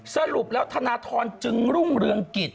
สรุปแล้วธนทรจึงรุ่งเรืองกิจ